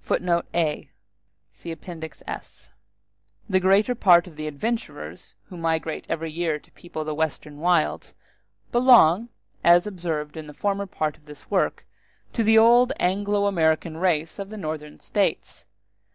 *a [Footnote a: See Appendix S.] The greater part of the adventurers who migrate every year to people the western wilds, belong, as I observed in the former part of this work, to the old Anglo American race of the Northern States.